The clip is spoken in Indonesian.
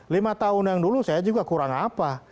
lima tahun yang dulu saya juga kurang apa